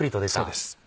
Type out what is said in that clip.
そうです。